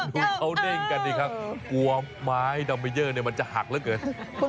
ดูเขาเด้งกันดีครับกลัวไม้ทั้งหมดมันจะหักแล้วเกิน